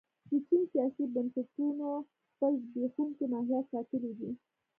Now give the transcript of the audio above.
د چین سیاسي بنسټونو خپل زبېښونکی ماهیت ساتلی دی.